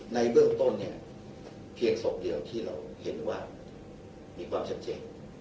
ในเบื้องต้นเนี่ยเพียงศพเดียวที่เราเห็นว่ามีความชัดเจน